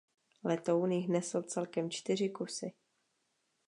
Letoun jich nesl celkem čtyři kusy.